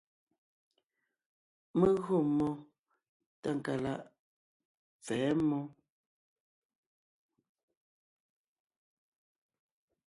Mé gÿo mmó Tákalaʼ pfɛ̌ mmó.